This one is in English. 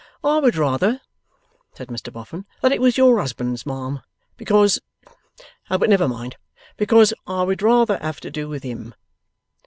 'I would rather,' said Mr Boffin, 'that it was your husband's, ma'am, because but never mind, because, I would rather have to do with him.